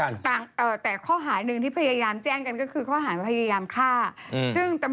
นางลงมาจากรถอ่ะพี่มา